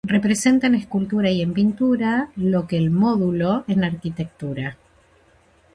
Representa en escultura y en pintura lo que el módulo en arquitectura.